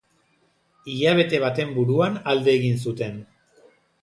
Hilabete baten buruan alde egin zuten.